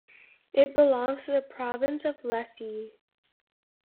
It belongs to the province of Lecce.